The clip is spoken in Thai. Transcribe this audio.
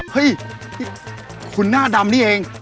เฮ้ยคุณหน้าดำนี่เอง